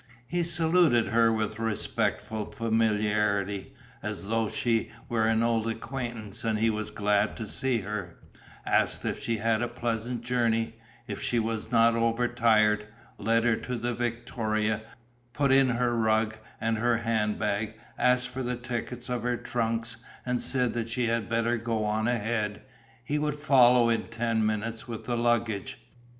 He saluted her with respectful familiarity, as though she were an old acquaintance and he glad to see her; asked if she had had a pleasant journey, if she was not over tired; led her to the victoria; put in her rug and her hand bag; asked for the tickets of her trunks; and said that she had better go on ahead: he would follow in ten minutes with the luggage.